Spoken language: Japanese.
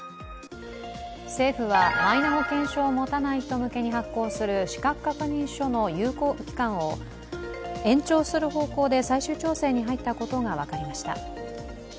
政府はマイナ保険証を持たない人向けに発行する資格確認書の有効期間を延長する方向で最終調整に入ったことが分かりました。